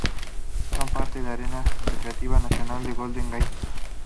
Son parte del Área Recreativa Nacional del Golden Gate.